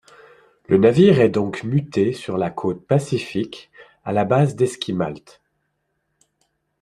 Le navire est donc muté sur la côte Pacifique à la base d'Esquimalt.